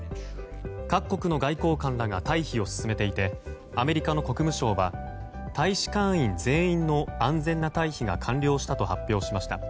各国の外交官らが退避を進めていてアメリカの国務省は大使館員全員の安全な退避が完了したと発表しました。